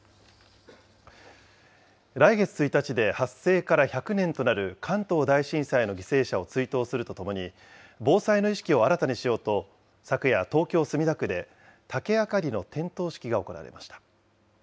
来月１日で発生から１００年となる関東大震災の犠牲者を追悼するとともに、防災の意識を新たにしようと、昨夜、東京・墨田区で竹あかりの点灯式が行われました。